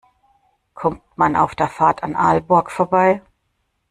Kommt man auf der Fahrt an Aalborg vorbei?